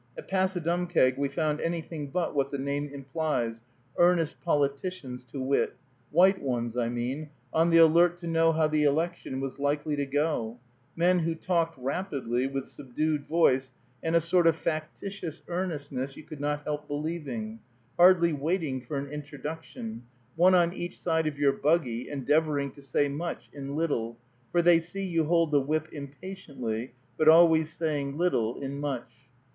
At Passadumkeag we found anything but what the name implies, earnest politicians, to wit, white ones, I mean, on the alert to know how the election was likely to go; men who talked rapidly, with subdued voice, and a sort of factitious earnestness you could not help believing, hardly waiting for an introduction, one on each side of your buggy, endeavoring to say much in little, for they see you hold the whip impatiently, but always saying little in much.